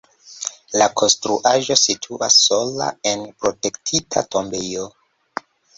La konstruaĵo situas sola en protektita tombejo.